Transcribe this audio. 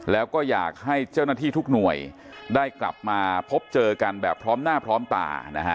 แล้วก็อยากให้เจ้าหน้าที่ทุกหน่วยได้กลับมาพบเจอกันแบบพร้อมหน้าพร้อมตานะฮะ